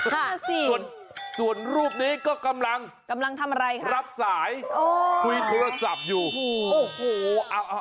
ค่ะนั่นสิส่วนรูปนี้ก็กำลังรับสายคุยโทรศัพท์อยู่โอ้โฮ